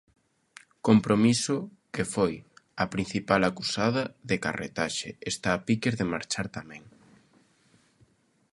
Compromiso, que foi a principal acusada de carretaxe, está a piques de marchar tamén.